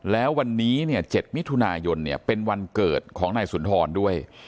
แล้ววันนี้๗มิถุนายนเป็นวันเกิดของนายสุนทรด้วย